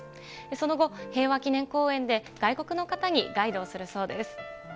その後、平和記念公園で外国の方にガイドをするそうです。